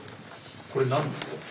これ何ですか？